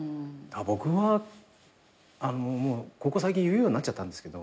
僕はここ最近言うようになっちゃったんですが。